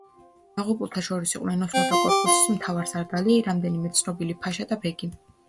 დაღუპულთა შორის იყვნენ ოსმალთა კორპუსის მთავარსარდალი, რამდენიმე ცნობილი ფაშა და ბეგი.